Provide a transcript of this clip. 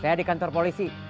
saya di kantor polisi